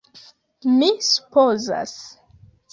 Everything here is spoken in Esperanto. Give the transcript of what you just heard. Mi supozas.